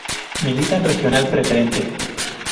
Milita en Regional Preferente.